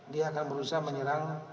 dia akan berusaha menyerang